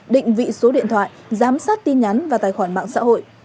định vị số điện thoại giám sát tin nhắn và tài khoản mạng xã hội